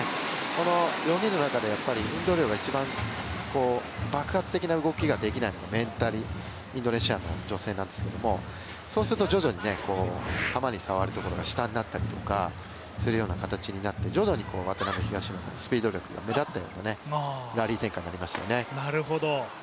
この４人の中で運動量が一番爆発的な動きができないのがメンタリインドネシアの女性なんですけどそうすると徐々に球に触るところが下になったりとかするようになって徐々に渡辺・東野のスピード力が目立つようなラリー展開になりましたよね。